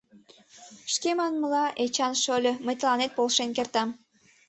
Шке манмыла, Эчан шольо, мый тыланет полшен кертам.